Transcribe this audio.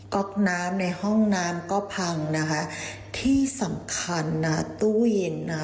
ก็น้ำในห้องน้ำก็พังนะคะที่สำคัญนะตู้เย็นนะ